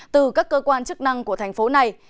từ các cơ quan chức năng của thành phố này